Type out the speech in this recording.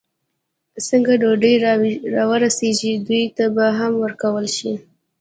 څنګه ډوډۍ را ورسېږي، دوی ته به هم ورکول شي.